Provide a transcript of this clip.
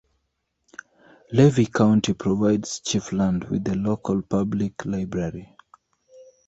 Levy County provides Chiefland with a local public library.